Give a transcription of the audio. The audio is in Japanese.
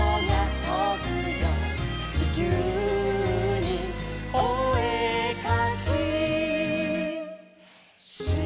「ちきゅうにおえかきしてるんだ」